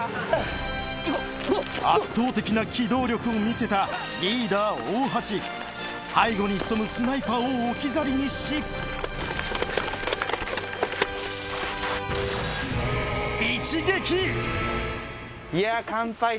圧倒的な機動力を見せたリーダー大橋背後に潜むスナイパーを置き去りにしいやいや